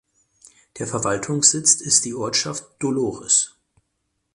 Der Verwaltungssitz ist die Ortschaft Dolores.